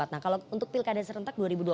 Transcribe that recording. nah kalau untuk pilkada serentak dua ribu dua puluh